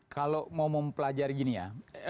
kalau mau mempelajari gini ya